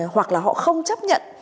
hoặc là họ không chấp nhận